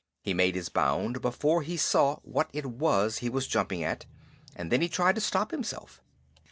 He made his bound before he saw what it was he was jumping at, and then he tried to stop himself.